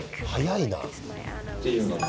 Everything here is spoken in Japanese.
早いな。